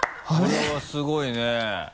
これはすごいね。